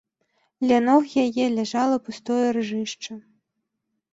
Ля ног яе ляжала пустое ржышча.